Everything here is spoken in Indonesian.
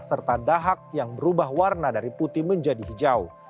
serta dahak yang berubah warna dari putih menjadi hijau